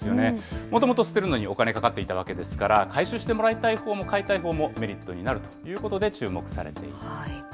もともと捨てるのにお金かかっていたわけですから、回収してもらいたいほうも、買いたいほうもメリットになるということで注目されています。